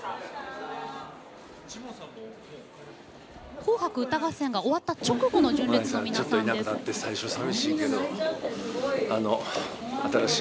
「紅白歌合戦」が終わった直後の純烈の皆さん。